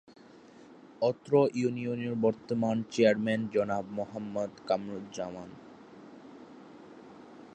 অত্র ইউনিয়নের বর্তমান চেয়ারম্যান জনাব মোহাম্মদ কামরুজ্জামান।